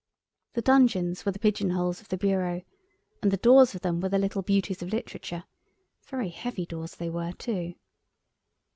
The dungeons were the pigeon holes of the bureau, and the doors of them were the little "Beauties of Literature"—very heavy doors they were too.